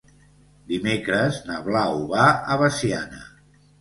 Dimecres na Blau va a Veciana.